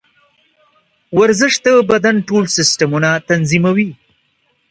ورزش د بدن ټول سیسټمونه تنظیموي.